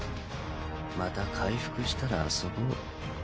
また回復したら遊ぼう。